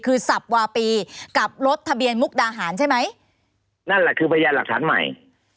คือศัพท์วาปีกับรถทะเบียนมุกดาหารใช่ไหม